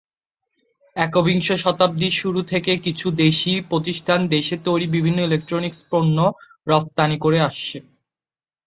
একবিংশ শতাব্দীর শুরু থেকে কিছু দেশি প্রতিষ্ঠান দেশে তৈরি বিভিন্ন ইলেক্ট্রনিক পণ্য রফতানি করে আসছে।